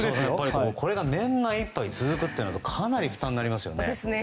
年内いっぱい続くとなるとかなり負担になりますよね。